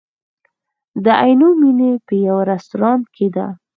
د عینومېنې په یوه رستورانت کې ده.